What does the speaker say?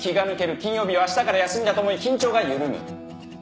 金曜日はあしたから休みだと思い緊張が緩む。